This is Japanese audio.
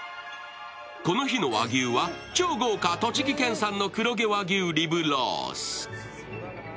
この日の和牛は超豪華、栃木県産の黒毛和牛リブロース。